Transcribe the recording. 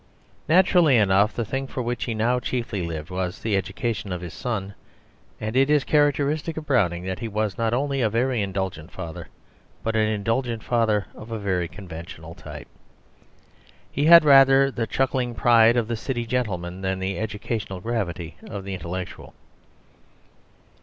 Naturally enough, the thing for which he now chiefly lived was the education of his son, and it is characteristic of Browning that he was not only a very indulgent father, but an indulgent father of a very conventional type: he had rather the chuckling pride of the city gentleman than the educational gravity of the intellectual.